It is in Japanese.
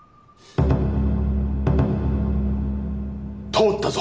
通ったぞ。